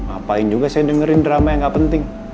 ngapain juga saya dengerin drama yang gak penting